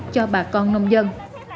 cho bà con nông dân